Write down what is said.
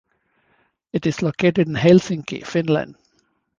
It is located in Helsinki, Finland.